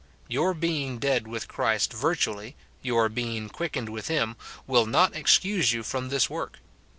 Your being dead with Christ virtually, your being quick ened with him, will not excuse you from this work.